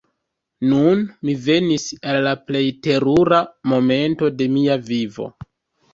Nun mi venis al la plej terura momento de mia vivo!